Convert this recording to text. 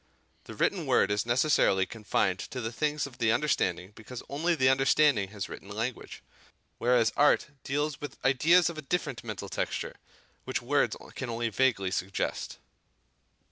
The written word is necessarily confined to the things of the understanding because only the understanding has written language; whereas art deals with ideas of a different mental texture, which words can only vaguely suggest.